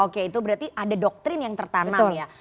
oke itu berarti ada doktrin yang tertanam ya